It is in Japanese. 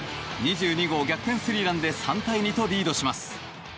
２２号逆転スリーランで３対２とリードします。